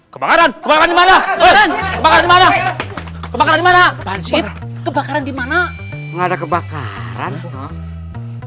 kebakaran kebakaran dimana kebakaran dimana kebakaran dimana kebakaran dimana